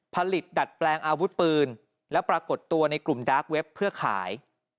ดัดแปลงอาวุธปืนและปรากฏตัวในกลุ่มดาร์กเว็บเพื่อขาย